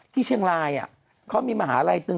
ที่เชียงรายเขามีมหาลัยหนึ่ง